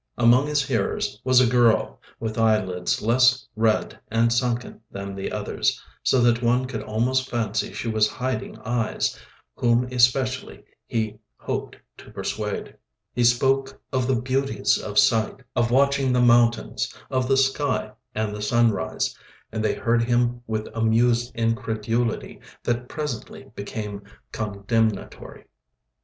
Among his hearers was a girl, with eyelids less red and sunken than the others, so that one could almost fancy she was hiding eyes, whom especially he hoped to persuade. He spoke of the beauties of sight, of watching the mountains, of the sky and the sunrise, and they heard him with amused incredulity that presently became condemnatory.